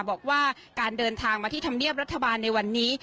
บอกว่าการเดินทางมาที่ธรรมเนียบรัฐบาลในวันนี้